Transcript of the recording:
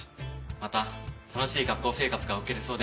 また楽しい学校生活が送れそうで。